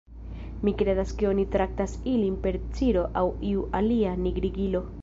"Mi kredas ke oni traktas ilin per ciro aŭ iu alia nigrigilo."